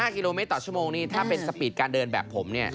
๕กิโลเมตรต่อชั่วโมงนี่ถ้าเป็นสปีดการเดินแบบผมเนี่ย